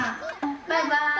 バイバイ！